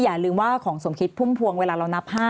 อย่าลืมว่าของสมคิดพุ่มพวงเวลาเรานับ๕